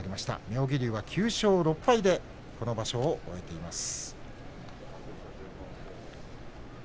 妙義龍は９勝６敗でこの場所を終えています。